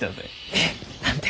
えっ何て？